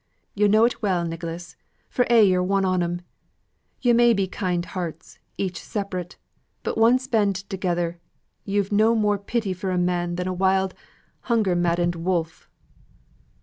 Yo' know it well, Nicholas, for a' yo're one on e'm. Yo' may be kind hearts, each separate; but once banded together, yo've no more pity for a man than a wild hunger maddened wolf."